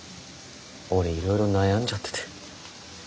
俺いろいろ悩んじゃってて。